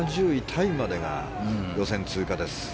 タイまでが予選通過です。